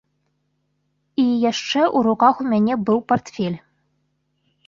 І яшчэ ў руках у мяне быў партфель.